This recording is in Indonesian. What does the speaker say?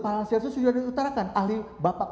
para selsus sudah diutarakan ahli bapak